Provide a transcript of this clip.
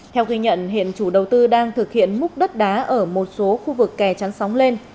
theo ghi nhận hiện chủ đầu tư đang thực hiện múc đất đá ở một số khu vực kè chắn sóng lên